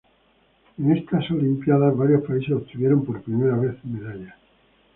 En estas olimpiadas varios países obtuvieron por primera vez medalla.